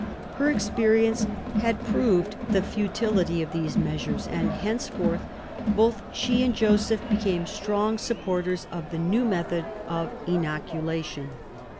Her sad experience had proved the futility of these measures; and henceforth both she and Joseph became strong supporters of the new method of inoculation.